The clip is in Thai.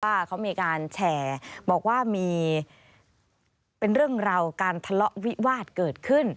ว่าเขามีการแชร์บอกว่ามีเป็นเรื่องราวการทะเลาะวิวาสเกิดขึ้น